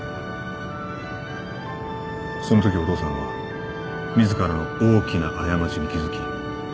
そのときお父さんは自らの大きな過ちに気付き